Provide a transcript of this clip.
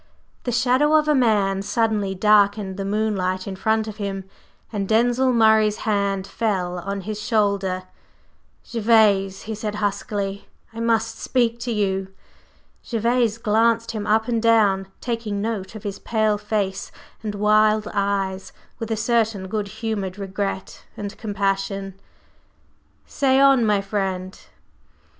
The shadow of a man suddenly darkened the moonlight in front of him, and Denzil Murray's hand fell on his shoulder. "Gervase," he said, huskily, "I must speak to you." Gervase glanced him up and down, taking note of his pale face and wild eyes with a certain good humored regret and compassion. "Say on, my friend."